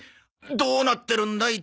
どうなってるんだ？